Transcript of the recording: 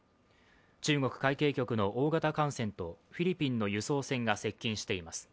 中国海警局の大型艦船とフィリピンの輸送船が接近しています。